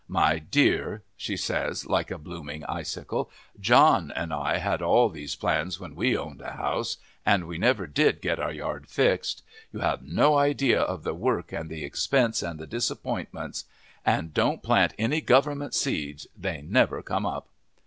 "My dear," she says, like a blooming icicle, "John and I had all these plans when we owned a house, and we never did get our yard fixed. You have no idea of the work and the expense and the disappointments! And don't plant any Government seeds. They never come up."